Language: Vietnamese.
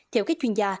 theo các chuyên gia